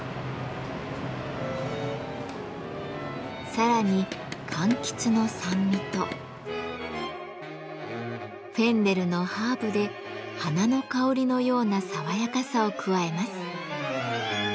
さらにかんきつの酸味とフェンネルのハーブで花の香りのような爽やかさを加えます。